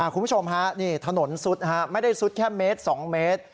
คุณผู้ชมถนนสุดไม่ได้สุดแค่๑๒เมตร